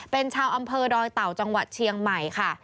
เป็นชาวอำเภอดอยเต่าจังหวัดเชียงใหม่ค่ะ